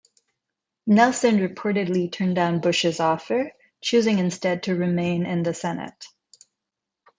Nelson reportedly turned down Bush's offer, choosing instead to remain in the Senate.